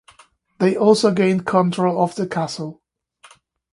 They also gained control of the castle.